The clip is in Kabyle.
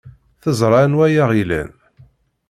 Teẓra anwa ay aɣ-ilan.